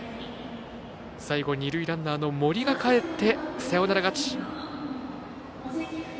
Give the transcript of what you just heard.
最後、二塁ランナーの森がかえってサヨナラ勝ち。